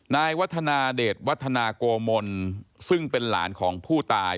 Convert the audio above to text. นายวัฒนาเดชวัฒนาโกมลซึ่งเป็นหลานของผู้ตาย